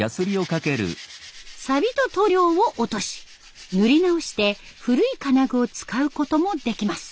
サビと塗料を落とし塗り直して古い金具を使うこともできます。